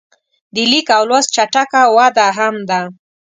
د لیک او لوست چټکه وده هم ده.